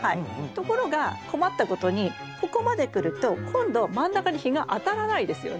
ところが困ったことにここまでくると今度真ん中に日が当たらないですよね。